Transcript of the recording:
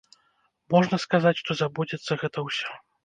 Можна сказаць, што забудзецца гэта ўсё.